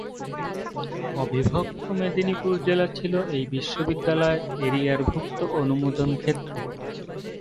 অবিভক্ত মেদিনীপুর জেলা ছিল এই বিশ্ববিদ্যালয়ের এক্তিয়ারভুক্ত অনুমোদনক্ষেত্র।